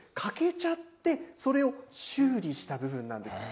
欠けちゃってそれを修理した部分なんです。